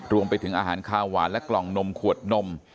รวมไปถึงอาหารคาวหวานและกล่องนมขวดนม